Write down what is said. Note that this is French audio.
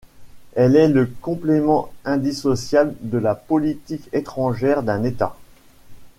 Elle est le complément indissociable de la politique étrangère d'un État.